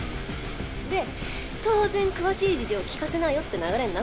「で当然詳しい事情聞かせなよって流れになって」